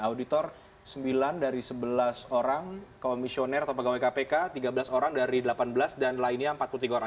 auditor sembilan dari sebelas orang komisioner atau pegawai kpk tiga belas orang dari delapan belas dan lainnya empat puluh tiga orang